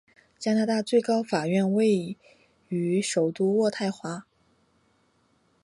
加拿大最高法院位置于首都渥太华。